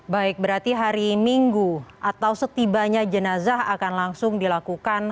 baik berarti hari minggu atau setibanya jenazah akan langsung dilakukan